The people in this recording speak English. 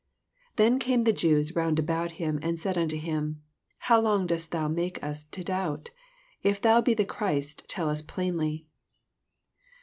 24 Then eame the Jews round about him, and said unto him, How long dost thou make us to doubt 7 If thou be the Ghriit, tell us plainly.